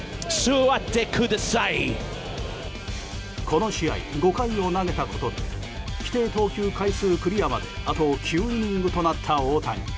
この試合５回を投げたところで規定投球回数クリアまであと９イニングとなった大谷。